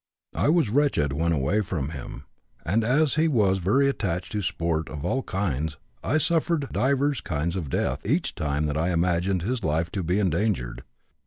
I was wretched when away from him, and as he was very attached to sport of all kinds I suffered 'divers kinds of death' each time that I imagined his life to be endangered.